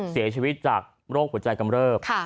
เสียชีวิตจากโรคหัวใจกำเริบ